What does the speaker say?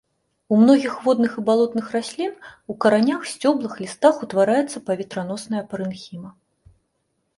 У многіх водных і балотных раслін у каранях, сцёблах, лістах утвараецца паветраносная парэнхіма.